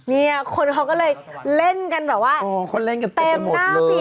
นี่คนเขาก็เลยเล่นกันแบบว่าเต็มหน้าผีไปหมดเลยค่ะ